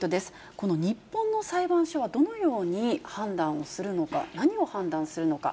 この日本の裁判所はどのように判断をするのか、何を判断するのか。